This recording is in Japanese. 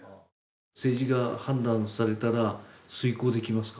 政治が判断されたら遂行できますか。